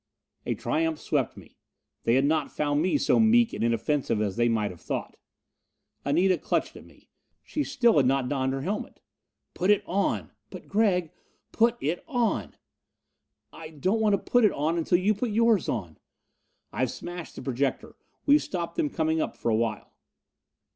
A triumph swept me. They had not found me so meek and inoffensive as they might have thought! Anita clutched at me. She still had not donned her helmet. "Put it on!" "But Gregg " "Put it on!" "I I don't want to put it on until you put yours on." "I've smashed the projector! We've stopped them coming up for a while."